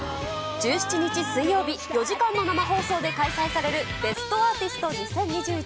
１７日水曜日、４時間の生放送で開催されるベストアーティスト２０２１。